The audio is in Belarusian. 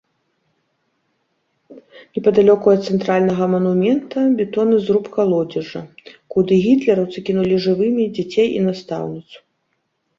Непадалёку ад цэнтральнага манумента бетонны зруб калодзежа, куды гітлераўцы кінулі жывымі дзяцей і настаўніцу.